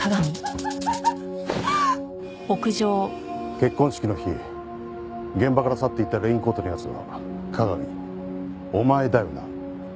結婚式の日現場から去っていったレインコートの奴は加賀美お前だよな？